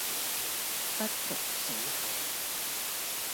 不服水土